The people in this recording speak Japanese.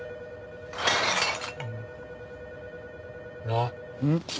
あっ。